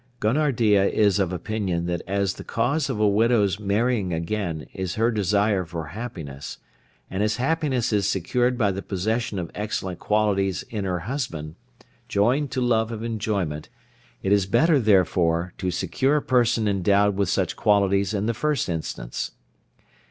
Gonardya is of opinion that as the cause of a widow's marrying again is her desire for happiness, and as happiness is secured by the possession of excellent qualities in her husband, joined to love of enjoyment, it is better therefore to secure a person endowed with such qualities in the first instance.